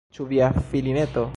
Ĉu via filineto?